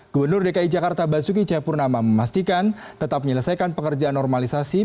gubernur dki jakarta basuki cahayapurnama memastikan tetap menyelesaikan pekerjaan normalisasi